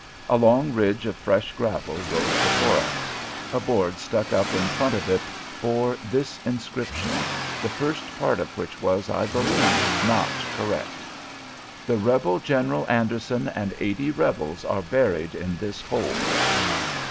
A long ridge of fresh gravel rose before us. A board stuck up in front of it bore this inscription, the first part of which was, I believe, not correct: "The Rebel General Anderson and 80 Rebels are buried in this hole."